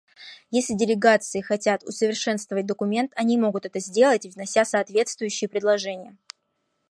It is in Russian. Если делегации хотят усовершенствовать документ, они могут это сделать, внеся соответствующие предложения.